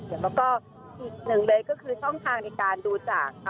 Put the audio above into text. แล้วก็อีกหนึ่งเลยก็คือช่องทางในการดูจากค่ะ